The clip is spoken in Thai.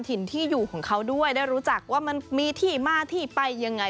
ถิ่นที่อยู่ของเขาด้วยได้รู้จักว่ามันมีที่มาที่ไปยังไง